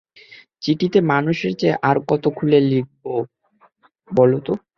চিঠিতে মানুষ এর চেয়ে আর কত খুলে লিখবে বলো তো।